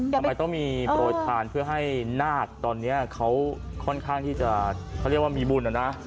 ทำไมต้องมีโปรยทานเพื่อให้นาคตอนนี้เขาค่อนข้างที่จะเขาเรียกว่ามีบุญนะนะ